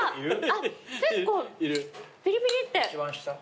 あっ結構ピリピリって。